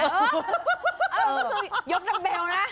เออยกดำเบลนะ